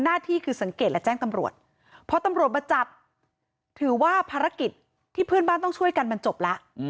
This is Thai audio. หน้าที่คือสังเกตและแจ้งตำรวจพอตำรวจมาจับถือว่าภารกิจที่เพื่อนบ้านต้องช่วยกันมันจบแล้ว